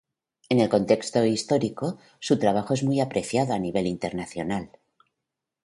En este contexto histórico, su trabajo es muy apreciado a nivel internacional.